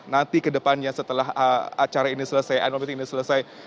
nanti kedepannya setelah acara ini selesai annual meeting ini selesai